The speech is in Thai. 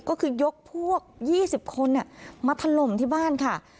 ก็คือยกพวก๒๐คนมาถล่มที่บ้านค่ะ